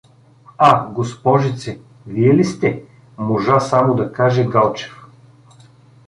— А, госпожице, вие ли сте? — можа само да каже Галчев.